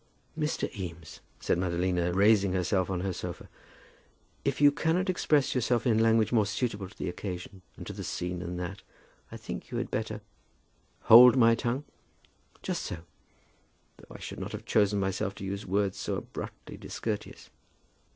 "Mr. Eames," said Madalina raising herself on her sofa, "if you can not express yourself in language more suitable to the occasion and to the scene than that, I think that you had better " "Hold my tongue." "Just so; though I should not have chosen myself to use words so abruptly discourteous."